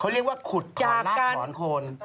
เขาเรียกว่าขุดผ่อนลาขรอนโคลดิ